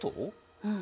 うん。